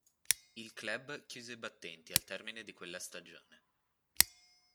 Il club chiuse i battenti al termine di quella stagione.